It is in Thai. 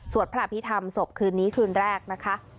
สวดพระพิธรรมศพคืนนี้คืนแรกนะคะ